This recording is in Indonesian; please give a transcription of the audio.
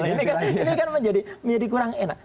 ini kan menjadi kurang enak